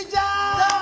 どうも。